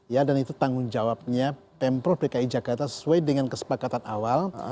ya dan itu tanggung jawabnya pemprov dki jakarta sesuai dengan kesepakatan awal